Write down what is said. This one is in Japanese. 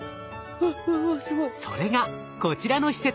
それがこちらの施設。